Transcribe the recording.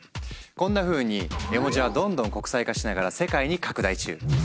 こんなふうに絵文字はどんどん国際化しながら世界に拡大中。